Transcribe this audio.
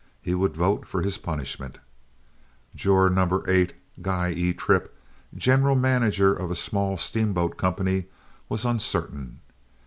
He would vote for his punishment. Juror No. 8, Guy E. Tripp, general manager of a small steamboat company, was uncertain.